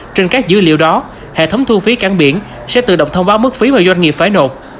trên các dữ liệu đó hệ thống thu phí cảng biển sẽ tự động thông báo mức phí mà doanh nghiệp phải nộp